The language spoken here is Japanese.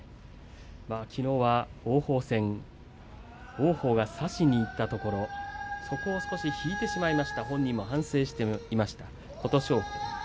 きのうは王鵬戦王鵬が差しにいったところそこを少し引いてしまいました本人は反省していました琴勝峰。